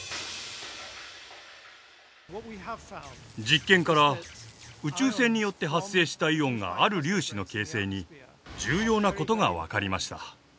実験から宇宙線によって発生したイオンがある粒子の形成に重要なことが分かりました。